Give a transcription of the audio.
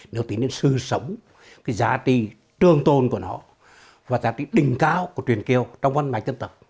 nếu tính đến sư sống cái giá trị trương tôn của nó và giá trị đỉnh cao của truyền kiều trong văn máy tân tập